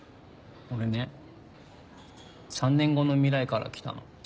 俺ね３年後の未来から来たの。